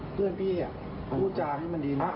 เพื่อนพี่พูดจาให้มันดีมาก